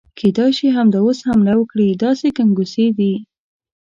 کېدای شي همدا اوس حمله وکړي، داسې ګنګوسې دي.